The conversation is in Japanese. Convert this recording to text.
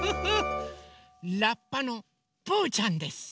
ラッパのぷうちゃんです！